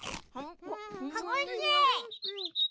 おいしい！